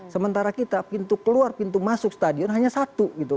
sementara kita pintu keluar pintu masuk stadion hanya satu gitu